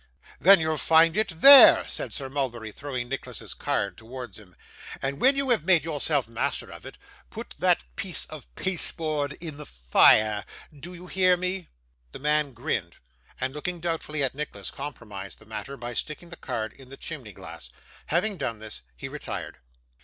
'Then you'll find it there,' said Sir Mulberry, throwing Nicholas's card towards him; 'and when you have made yourself master of it, put that piece of pasteboard in the fire do you hear me?' The man grinned, and, looking doubtfully at Nicholas, compromised the matter by sticking the card in the chimney glass. Having done this, he retired.